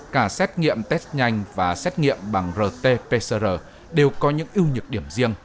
cả xét nghiệm test nhanh và xét nghiệm bằng rt pcr đều có những ưu nhược điểm riêng